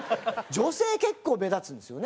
女性結構目立つんですよね。